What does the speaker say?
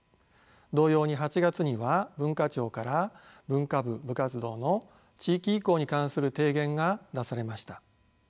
同様に８月には文化庁から文化部部活動の地域移行に関する提言が出されました。